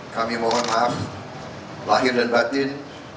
kami mohon maaf lahir dan batin